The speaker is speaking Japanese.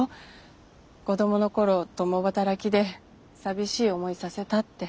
「子どもの頃共働きで寂しい思いさせた」って。